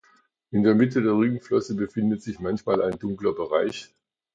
In der Mitte der Rückenflosse befindet sich manchmal ein dunkler Bereich.